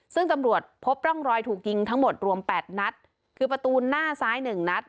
ซึ่งตำรวจพบร่องรอยถูกยิงทั้งหมดรวมแปดนัดคือประตูหน้าซ้ายหนึ่งนัด